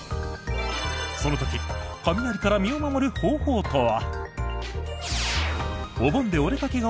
その時雷から身を守る方法とは？